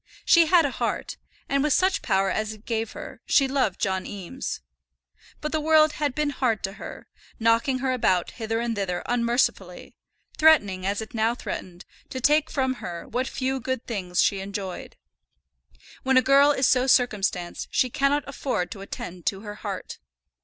She had a heart, and with such power as it gave her, she loved John Eames. But the world had been hard to her; knocking her about hither and thither unmercifully; threatening, as it now threatened, to take from her what few good things she enjoyed. When a girl is so circumstanced she cannot afford to attend to her heart.